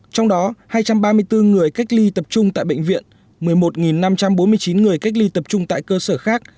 trong đó hai trăm ba mươi bốn người cách ly tập trung tại bệnh viện một mươi một năm trăm bốn mươi chín người cách ly tập trung tại cơ sở khác